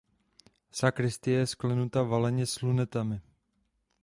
Sakristie je sklenuta valeně s lunetami.